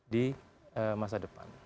di masa depan